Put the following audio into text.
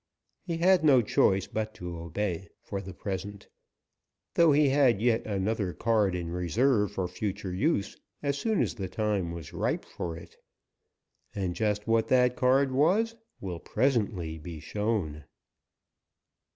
He had no choice but to obey, for the present, though he had yet another card in reserve for future use as soon as the time was ripe for it. Just what that card was will presently be shown.